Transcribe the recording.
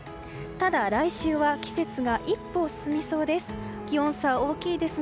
ただ来週は季節が一歩進みそうです。